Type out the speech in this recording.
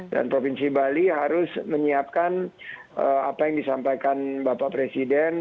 dan provinsi bali harus menyiapkan apa yang disampaikan bapak presiden